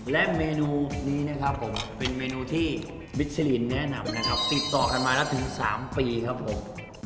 และเมนูนี้นะครับผมเป็นเมนูที่บิชลินแนะนำนะครับติดต่อกันมาแล้วถึง๓ปีครับผม